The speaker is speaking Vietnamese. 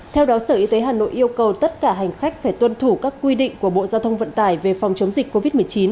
theo đó sở y tế hà nội yêu cầu tất cả hành khách phải tuân thủ các quy định của bộ giao thông vận tải về phòng chống dịch covid một mươi chín